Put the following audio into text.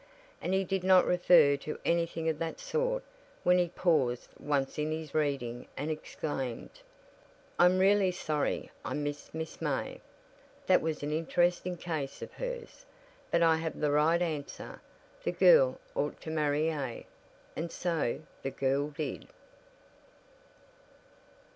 And he did not refer to anything of that sort when he paused once in his reading and exclaimed: "I'm really sorry I missed Miss May. That was an interesting case of hers. But I gave the right answer; the girl ought to marry A." And so the girl did.